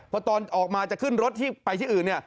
พอตอนออกมาจะขึ้นรถที่ไปที่อื่นเนี่ย